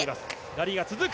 ラリーが続く！